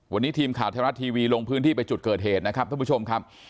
วันนี้ทีมข่าวไทยรัฐทีวีลงพื้นที่ไปจุดเกิดเหตุนะครับท่านผู้ชมครับ